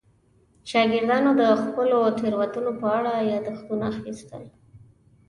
شاګردانو د خپلو تېروتنو په اړه یادښتونه اخیستل.